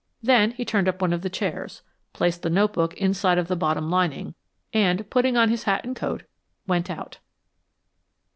Then he turned up one of the chairs, placed the notebook inside of the bottom lining, and putting on his hat and coat, went out.